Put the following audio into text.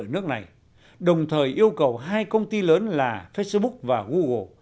ở nước này đồng thời yêu cầu hai công ty lớn là facebook và google